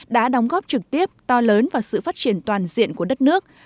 đã đóng góp trực tiếp to lớn vào sự phát triển toàn diện của đất nước